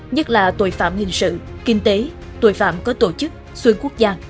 nhất là tội phạm hình sự kinh tế tội phạm có tổ chức xuyên quốc gia